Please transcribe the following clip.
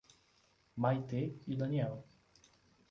Maitê e Daniel